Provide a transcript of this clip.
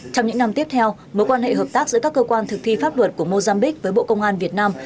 trong những năm tiếp theo mối quan hệ hợp tác giữa các cơ quan thực thi pháp luật của mozambique với bộ công an việt nam